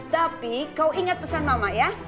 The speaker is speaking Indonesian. tapi kau ingat pesan mama ya